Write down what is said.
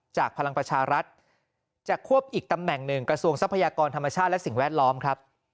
พลังประชารัฐจะควบอีกตำแหน่งหนึ่งกระทรวงทรัพยากรธรรมชาติและสิ่งแวดล้อมครับ